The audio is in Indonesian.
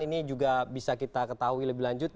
ini juga bisa kita ketahui lebih lanjut